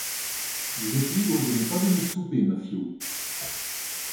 Vous êtes libre de ne pas venir souper, Maffio.